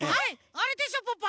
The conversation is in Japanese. あれでしょポッポ。